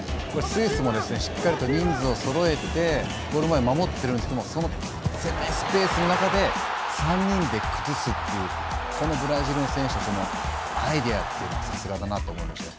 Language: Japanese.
これ、スイスもしっかり人数をそろえてゴール前守っているんですけれども狭いスペースの中で３人で崩すというこのブラジルの選手のアイデアがさすがだなと思いました。